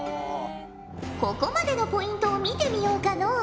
ここまでのポイントを見てみようかのう。